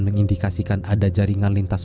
mengindikasikan ada jaringan lintas